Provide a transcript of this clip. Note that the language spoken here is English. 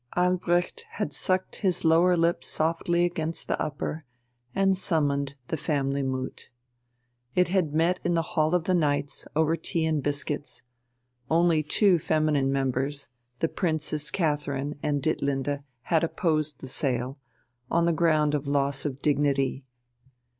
Albrecht had sucked his lower lip softly against the upper, and summoned the family moot. It had met in the Hall of the Knights over tea and biscuits. Only two feminine members, the Princess Catherine and Ditlinde, had opposed the sale, on the ground of loss of dignity.